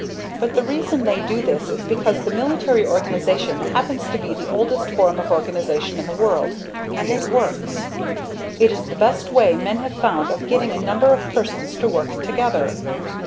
But the reason they do this is because the military organization happens to be the oldest form of organization in the world, and it works. It is the best way men have found of getting a number of persons to work together.